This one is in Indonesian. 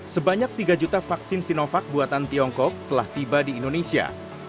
sebanyak tiga juta vaksin sinovac buatan tiongkok telah tiba di indonesia